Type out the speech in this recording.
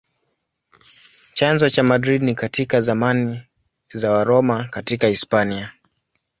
Chanzo cha Madrid ni katika zamani za Waroma katika Hispania.